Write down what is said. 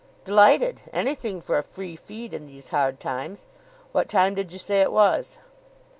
"Delighted. Anything for a free feed in these hard times. What time did you say it was?"